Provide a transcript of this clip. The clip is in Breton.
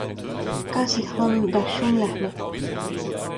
Kasit ac'hanon d'ar chomlec'h-mañ